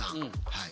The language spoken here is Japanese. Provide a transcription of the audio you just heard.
はい。